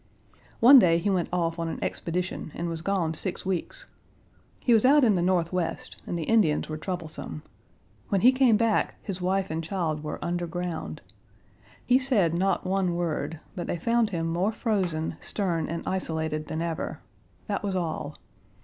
One day he went off on an expedition and was gone six weeks. He was out in the Northwest, and the Indians were troublesome. When he came back, his wife and child were underground. He said not one word, but they found him more frozen, stern, and isolated than ever; that was all.